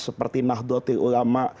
seperti nahdlatul ulama